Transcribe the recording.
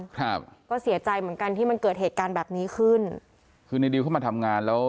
ครับก็เสียใจเหมือนกันที่มันเกิดเหตุการณ์แบบนี้ขึ้นคือในดิวเข้ามาทำงานแล้ว